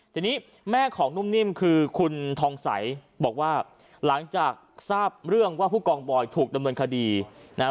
ทีนี้แม่ของนุ่มนิ่มคือคุณทองใสบอกว่าหลังจากทราบเรื่องว่าผู้กองบอยถูกดำเนินคดีนะฮะ